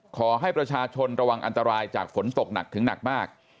ขอให้ประชาชนระวังอันตรายจากฝนตกหนักถึงหนักมาก